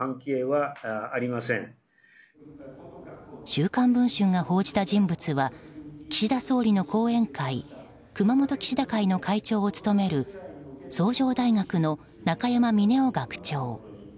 「週刊文春」が報じた人物は岸田総理の後援会熊本岸田会の会長を務める崇城大学の中山峰男学長。